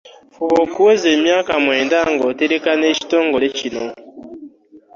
Fuba okuwezamyaka mwenda ng'otereka n'ekitongole kino.